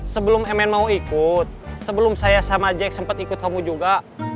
sebelum mn mau ikut sebelum saya sama jack sempat ikut kamu juga